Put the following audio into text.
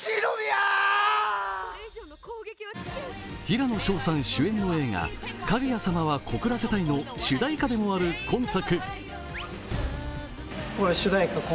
平野紫耀さん主演の映画「かぐや様は告らせたい」の主題歌でもある今作。